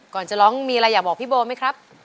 ก่อนจะร้องมีอะไรอยากบอกพี่โบไหมครับ